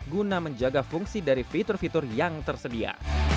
guna menjaga fungsi dari fitur fitur yang tersedia